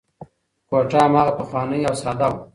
کوټه هماغه پخوانۍ او ساده وه.